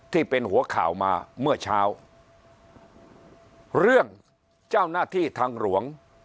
ที่เป็นหัวข่าวมาเมื่อเช้าเรื่องเจ้าหน้าที่ทางหลวง